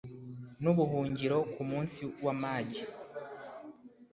n’ubuhungiro ku munsi w’amage